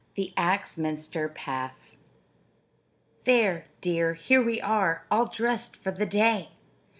The Axminster Path "There, dear, here we are, all dressed for the day!"